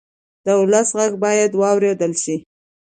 د ولس غږ باید واورېدل شي